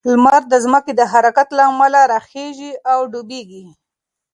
لمر د ځمکې د حرکت له امله راخیژي او ډوبیږي.